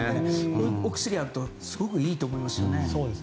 こういうお薬があるとすごくいいと思います。